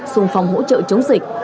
sung phong hỗ trợ chống dịch